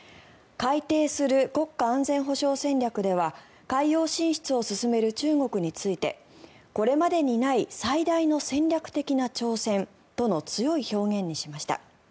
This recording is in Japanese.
改定する国家安全保障戦略では海洋進出を進める中国についてこれまでにない最大の戦略的な挑戦との強い表現にしました。